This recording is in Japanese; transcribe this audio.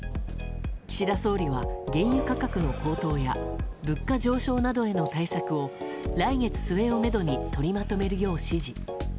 岸田総理は原油価格の高騰や物価上昇などへの対策を来月末をめどに取りまとめるよう指示。